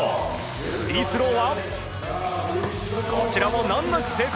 フリースローはこちらも難なく成功。